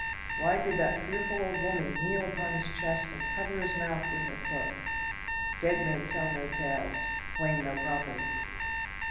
Why did that fearful old woman kneel upon his chest and cover his mouth with her cloak? Dead men tell no tales claim no property!"